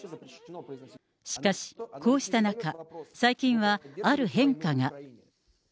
しかし、こうした中、最近はある変化が。